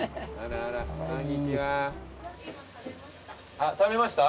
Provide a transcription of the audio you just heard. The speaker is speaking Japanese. あっ食べました？